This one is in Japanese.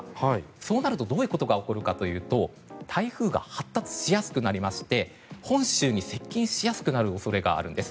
そうなるとどういうことが起こるかというと台風が発達しやすくなりまして本州に接近しやすくなる恐れがあるんです。